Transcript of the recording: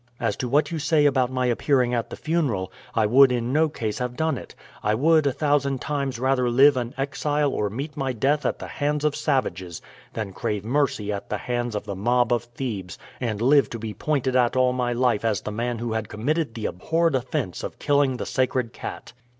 As to what you say about my appearing at the funeral, I would in no case have done it; I would a thousand times rather live an exile or meet my death at the hands of savages than crave mercy at the hands of the mob of Thebes, and live to be pointed at all my life as the man who had committed the abhorred offense of killing the sacred cat."